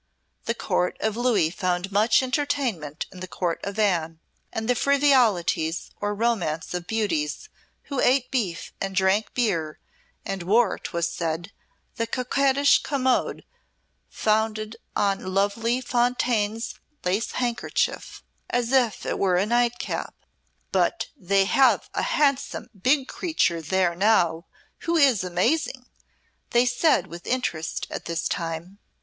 The Court of Louis found much entertainment in the Court of Anne, and the frivolities or romances of beauties who ate beef and drank beer and wore, 'twas said, the coquettish commode founded on lovely Fontange's lace handkerchief, as if it were a nightcap. "But they have a handsome big creature there now, who is amazing," they said with interest at this time.